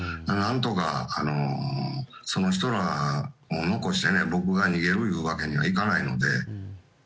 何とか、その人らを残して僕が逃げるいうわけにはいかないので。